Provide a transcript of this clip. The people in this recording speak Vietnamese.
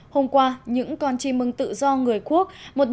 hôm qua những con chi mừng tự do người quốc